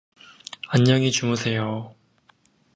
안녕히 주무세요.